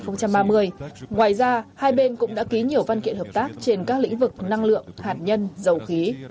ngoài ra hai bên cũng đã ký nhiều văn kiện hợp tác trên các lĩnh vực năng lượng hạt nhân dầu khí